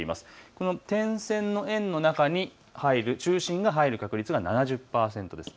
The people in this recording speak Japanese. この点線の円の中に入る、中心が入る確率が７０％です。